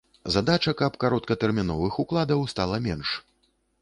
Задача, каб кароткатэрміновых укладаў стала менш.